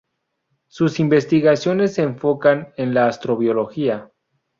Sus investigaciones se enfocan en la astrobiología.